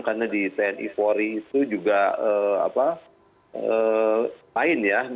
karena di tni empat i itu juga lain ya